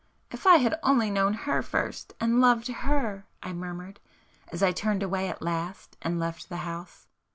"If I had only known her first,—and loved her!" I murmured, as I turned away at last and left the house.